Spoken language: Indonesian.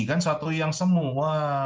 kan sesuatu yang semua